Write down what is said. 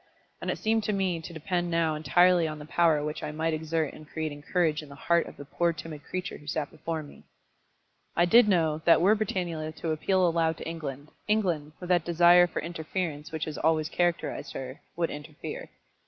And it seemed to me to depend now entirely on the power which I might exert in creating courage in the heart of the poor timid creature who sat before me. I did know that were Britannula to appeal aloud to England, England, with that desire for interference which has always characterised her, would interfere.